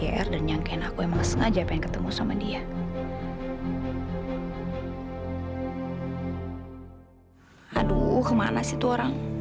aduh kemana sih itu orang